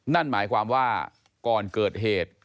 นั่นหมายความว่าก่อนเกิดเหตุ